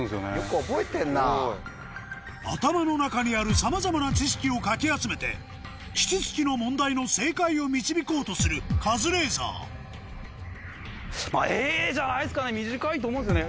頭の中にあるさまざまな知識をかき集めてキツツキの問題の正解を導こうとするカズレーザー短いと思うんすよね